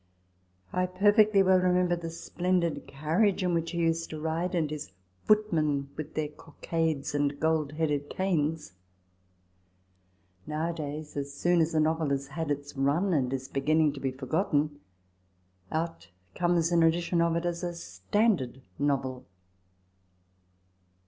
I perfectly well remember the splendid carriage in which he used to ride, and his footmen with their cockades and gold headed canes. Now a days, as soon as a novel has had its run, and is beginning to be forgotten, out comes an edition of it as a " standard novel